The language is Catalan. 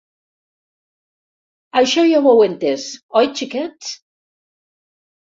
Això ja ho heu entès, oi xiquets?